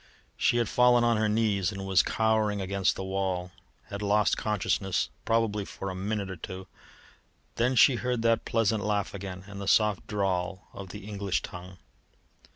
She had fallen on her knees and was cowering against the wall, had lost consciousness probably for a minute or two. Then she heard that pleasant laugh again and the soft drawl of the English tongue.